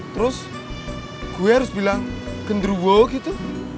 terus gue harus bilang genderuwo gitu